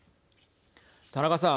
田中さん。